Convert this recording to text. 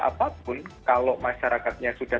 apapun kalau masyarakatnya sudah